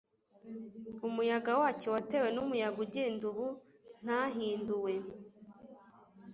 Umuyaga wacyo watewe numuyaga ugenda ubu ntahinduwe